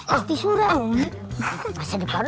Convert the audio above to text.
kamu tidak apa apa kan